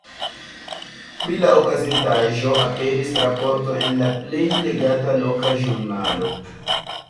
Pri la okazintaĵo aperis raporto en la plej legata loka ĵurnalo.